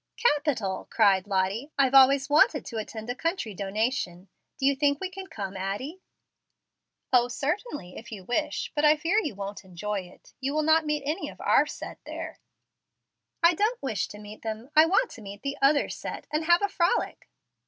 "Capital!" cried Lottie; "I've always wanted to attend a country donation. Do you think we can come, Addie?" "O, certainly, if you wish, but I fear you won't enjoy it. You will not meet any of our 'set' there." "I don't wish to meet them. I want to meet the other 'set' and have a frolic."